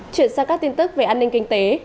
chuyển sang các tin tức về an ninh kinh tế